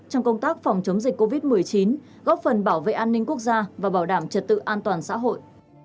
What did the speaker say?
trong công tác phòng chống dịch covid một mươi chín góp phần bảo vệ an ninh quốc gia và bảo đảm trật tự an toàn xã hội